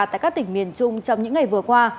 tại các tỉnh miền trung trong những ngày vừa qua